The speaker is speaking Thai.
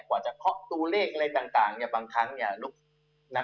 ตัวเลขอะไรต่างบางครั้งเนี่ย